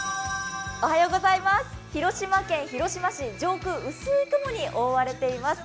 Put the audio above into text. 広島県広島市上空、薄い雲に覆われています。